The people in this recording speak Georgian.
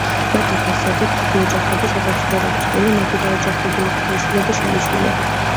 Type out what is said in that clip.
მათ ახასიათებთ დიდი ოჯახები, სადაც ცხოვრობს წყვილი, მათი დაოჯახებული ქალიშვილები, შვილიშვილები.